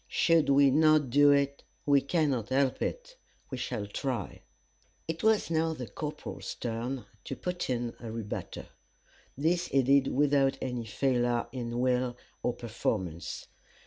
Should we not do it, we cannot help it. We shall try." It was now the corporal's turn to put in a rebutter. This he did without any failure in will or performance.